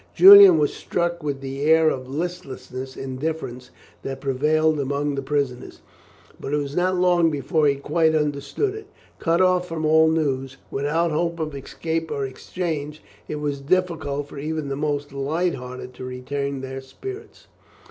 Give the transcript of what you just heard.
Julian was struck with the air of listless indifference that prevailed among the prisoners, but it was not long before he quite understood it. Cut off from all news, without hope of escape or exchange, it was difficult for even the most light hearted to retain their spirits.